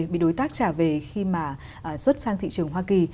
bị đối tác trả về khi mà xuất sang thị trường hoa kỳ